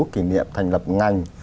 kỷ niệm thành lập ngành